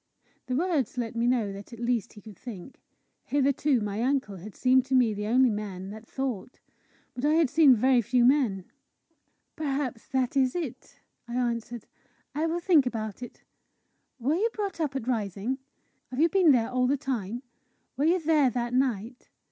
The words let me know that at least he could think. Hitherto my uncle had seemed to me the only man that thought. But I had seen very few men. "Perhaps that is it," I answered. "I will think about it. Were you brought up at Rising? Have you been there all the time? Were you there that night?